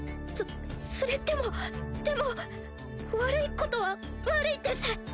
そそれでもでも悪いことは悪いです。